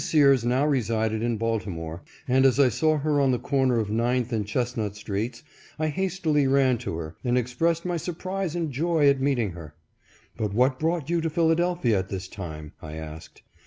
Sears now resided in Baltimore, and as I saw her on the corner of Ninth and Chestnut streets, I hastily ran to her, and expressed my surprise and joy at meeting her. " But what brought you to Philadelphia at this time ?" I asked.